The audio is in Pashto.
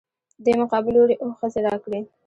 دې مقابل لورى اووه ښځې راکړي.